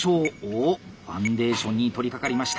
おおファンデーションに取りかかりました。